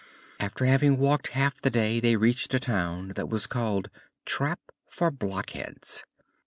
After having walked half the day they reached a town that was called "Trap for Blockheads."